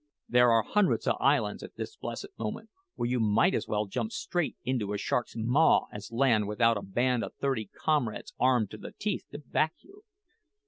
There are hundreds o' islands, at this blessed moment, where you might as well jump straight into a shark's maw as land without a band o' thirty comrades armed to the teeth to back you."